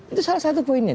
itu salah satu poinnya